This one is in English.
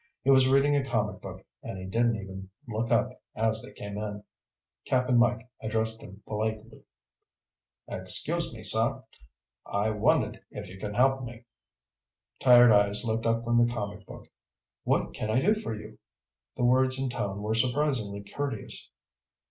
He was reading a comic book, and he didn't even look up as they came in. Cap'n Mike addressed him politely. "Excuse me, sir. I wonder if you can help me?" Tired eyes looked up from the comic book. "What can I do for you?" The words and tone were surprisingly courteous.